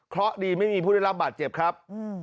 เพราะดีไม่มีผู้ได้รับบาดเจ็บครับ